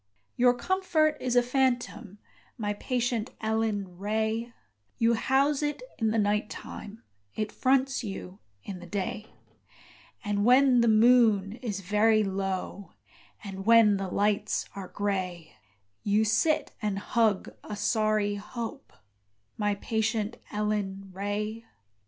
Your comfort is a phantom, My patient Ellen Ray; You house it in the night time, It fronts you in the day; And when the moon is very low And when the lights are grey, You sit and hug a sorry hope, My patient Ellen Ray!